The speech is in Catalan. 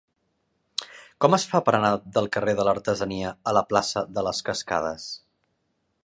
Com es fa per anar del carrer de l'Artesania a la plaça de les Cascades?